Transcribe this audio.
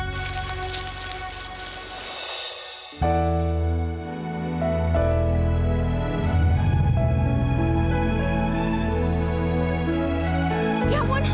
mereka mau berusaha sakit ke nasi